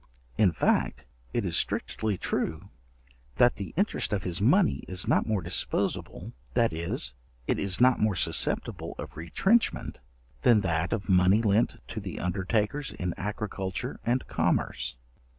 In fact, it is strictly true, that the interest of his money is not more disposable, that is, it is not more susceptible of retrenchment, than that of money lent to the undertakers in agriculture and commerce.